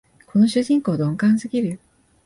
この主人公、鈍感すぎる